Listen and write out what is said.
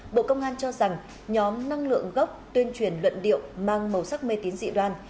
bộ công an cho rằng nhóm năng lượng gốc tuyên truyền luận điệu mang màu sắc mê tín dị đoan